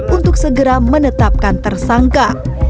untuk segera menetapkan tersangka